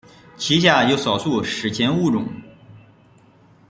其下有少数史前物种。